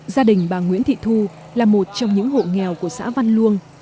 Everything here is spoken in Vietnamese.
gia đình bà nguyễn thị thu là một trong những hộ nghèo của xã văn luông